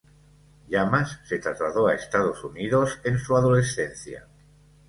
Llamas se trasladó a Estados Unidos en su adolescencia.